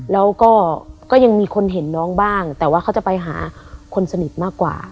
แล้วก็ก็ยังมีคนเห็นน้องบ้างแต่ว่าเขาจะไปหาคนสนิทมากกว่า